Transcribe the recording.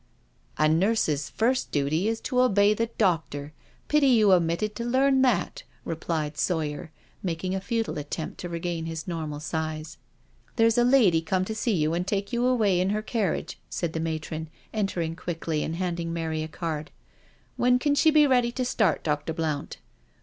" A nurse's first duty is to obey the doctor. Pity you omitted to learn that," replied Sawyer, making a futile attempt to regain his normal size. " There's a lady come to see you and take you away in her carriage," said the matron, entering quickly and handing Mary a card. " When can she be ready to start. Dr. Blount?"